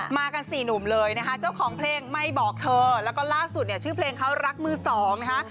มากันสี่หนุ่มเลยนะคะเจ้าของเพลงไม่บอกเธอแล้วก็ล่าสุดเนี่ยชื่อเพลงเขารักมือสองนะคะ